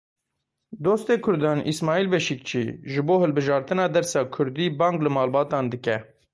Dostê Kurdan Îsmaîl Beşîkçî ji bo hilbijartina dersa kurdî bang li malbatan dike.